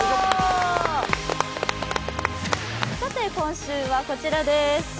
今週はこちらです。